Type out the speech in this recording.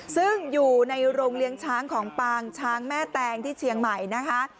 ซึ่งอยู่ในโรงเลี้ยงช้างของปางช้างแม่แตงที่เชียงใหม่นะคะ